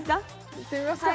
いってみますか？